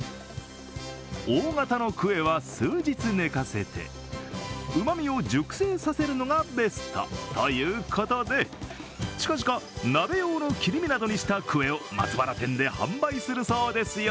大型のクエは数日寝かせてうまみを熟成させるのがベストということで近々、鍋用の切り身などにしたクエを松原店で販売するそうですよ。